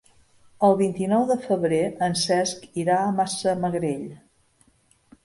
El vint-i-nou de febrer en Cesc irà a Massamagrell.